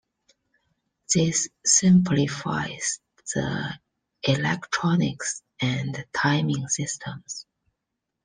This simplifies the electronics and timing systems.